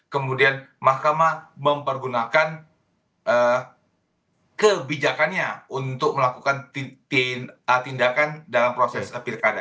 kemudian mahkamah mempergunakan kebijakannya untuk melakukan tindakan dalam proses pilkada